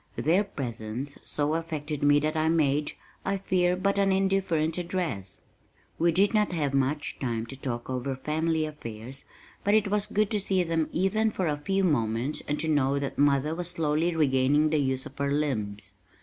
Their presence so affected me that I made, I fear, but an indifferent address. We did not have much time to talk over family affairs but it was good to see them even for a few moments and to know that mother was slowly regaining the use of her limbs.